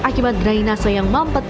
akibat drainase yang mampet